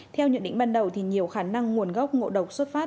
theo nhận định ban đầu nhiều khả năng nguồn gốc ngộ độc xuất phát